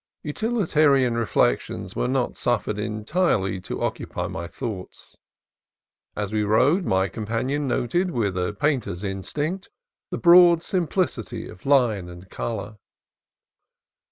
Utilitarian reflections were not suffered entirely to occupy my thoughts. As we rode, my companion noted with a painter's instinct the broad simplicity of line and color.